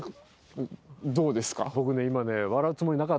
どうですか？